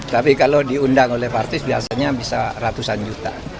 tapi kalau diundang oleh partis biasanya bisa ratusan juta